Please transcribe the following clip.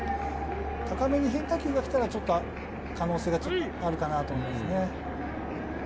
高めに変化球が来たら可能性がちょっとあるかなと思いますね。